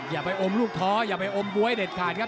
อย่าไปอมลูกท้ออย่าไปอมบ๊วยเด็ดขาดครับ